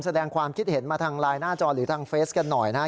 แสดงความคิดเห็นมาทางไลน์หน้าจอหรือทางเฟสกันหน่อยนะฮะ